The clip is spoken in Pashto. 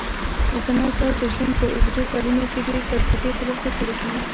زما پلار د ژوند په اوږدو کلونو کې ډېرې تجربې ترلاسه کړې دي